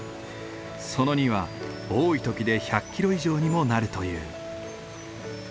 その荷は多い時で１００キロ以上にもなるという。